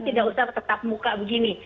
tidak usah tetap muka begini